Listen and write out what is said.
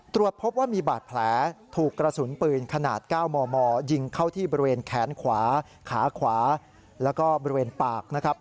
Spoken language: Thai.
ตรวจพบว่ามีบาดแผลถูกกระสุนปืนขนาด๙มมยิงเข้าที่บริเวณแขนขวาขาขวาแล้วก็บริเวณปากนะครับ